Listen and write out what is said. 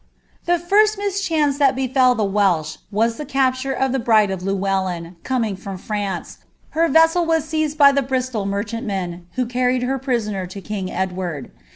The first mischance that befel the Welsh was the capture of the bride of Llewellyn,' coming from France; her vessel was seieed by the Bnslul merchantmen, who carried her prisoner to king Edward.